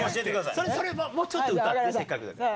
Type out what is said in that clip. それもうちょっと歌ってせっかくだから。